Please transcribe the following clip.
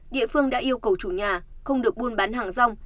địa phương đã yêu cầu chủ nhà không được buôn bán hàng rong